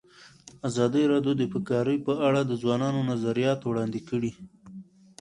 ازادي راډیو د بیکاري په اړه د ځوانانو نظریات وړاندې کړي.